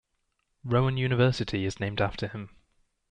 Rowan University is named after him.